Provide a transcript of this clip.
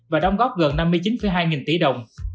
và đóng góp gần năm mươi chín hai nghìn tỷ đồng